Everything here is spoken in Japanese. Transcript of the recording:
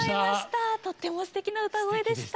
とってもすてきな歌声でした。